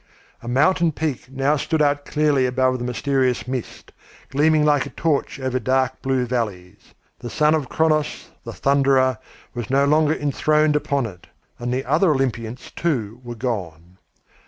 A mountain peak now stood out clearly above the mysterious mist, gleaming like a torch over dark blue valleys. The son of Cronos, the thunderer, was no longer enthroned upon it, and the other Olympians too were gone.